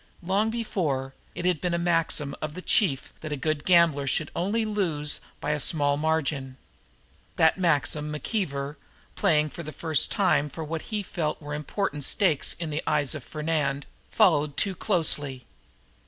Long before, it had been a maxim with the chief that a good gambler should only lose by a small margin. That maxim McKeever, playing for the first time for what he felt were important stakes in the eyes of Fernand, followed too closely.